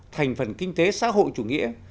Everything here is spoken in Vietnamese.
thành phần kinh tế xã hội chủ nghĩa